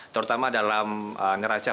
terutama dalam ngeracah